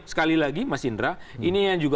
sekali lagi mas indra ini yang juga